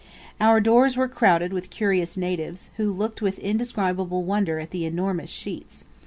Our doors were crowded with curious natives, who looked with indescribable wonder at the enormous sheets.